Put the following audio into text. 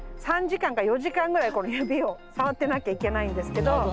３時間か４時間ぐらいこの指を触ってなきゃいけないんですけど。